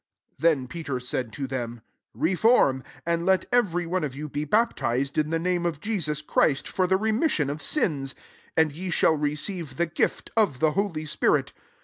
'* 38 Then Peter said to them "Reform, and let every one of you be baptized in the name of Jesus Christ, for the remisuoft of sins; and ye shall receive tbe gift of the holy spirit.